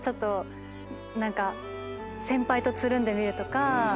先輩とつるんでみるとか。